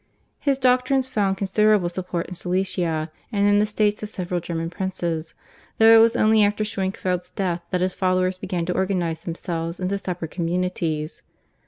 His doctrines found considerable support in Silesia and in the states of several German princes, though it was only after Schwenkfeld's death that his followers began to organise themselves into separate communities.